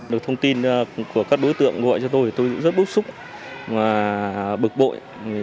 được thông tin của các đối tượng gọi cho tôi thì tôi cũng rất bức xúc và bực bội